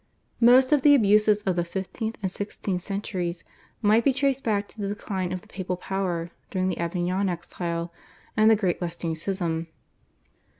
Most of the abuses of the fifteenth and sixteenth centuries might be traced back to the decline of the papal power during the Avignon exile and the Great Western Schism.